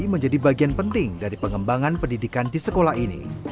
menjadi bagian penting dari pengembangan pendidikan di sekolah ini